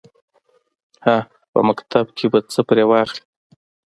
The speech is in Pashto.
_هه! په مکتب کې به څه پرې واخلې.